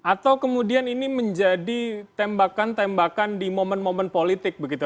atau kemudian ini menjadi tembakan tembakan di momen momen politik begitu